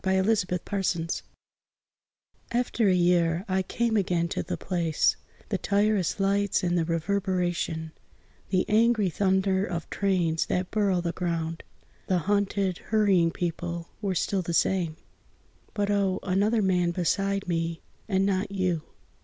IN A SUBWAY STATION AFTER a year I came again to the place; The tireless lights and the reverberation, The angry thunder of trains that burrow the ground, The hunted, hurrying people were still the same But oh, another man beside me and not you!